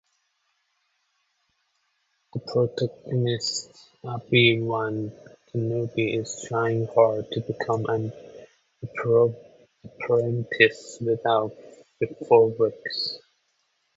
The protagonist, Obi-Wan Kenobi is trying hard to become an apprentice within four weeks.